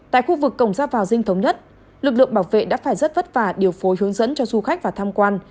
tại khu vực cổng ra vào dinh thống nhất lực lượng bảo vệ đã phải rất vất vả điều phối hướng dẫn cho du khách vào tham quan